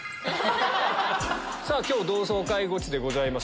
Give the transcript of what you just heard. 今日同窓会ゴチでございます！